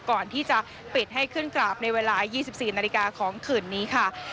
ก่อนที่จะปิดให้ขึ้นกราบในเวลา๒๔นาฬิกาของคืนนี้ค่ะ